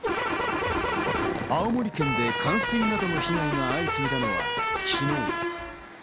青森県で冠水などの被害が相次いだのは昨日。